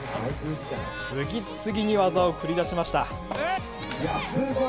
次々に技を繰り出しました。